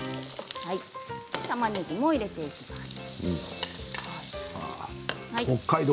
たまねぎも入れていきます。